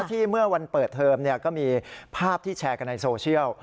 เมื่อวันเปิดเทอมก็มีภาพที่แชร์กันในโซเชียล